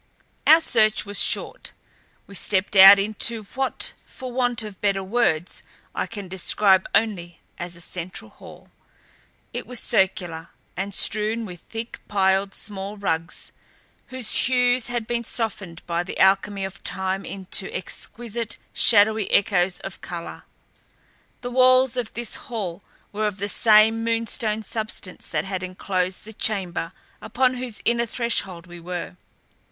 Our search was short. We stepped out into what for want of better words I can describe only as a central hall. It was circular, and strewn with thick piled small rugs whose hues had been softened by the alchemy of time into exquisite, shadowy echoes of color. The walls of this hall were of the same moonstone substance that had enclosed the chamber upon whose inner threshold we were.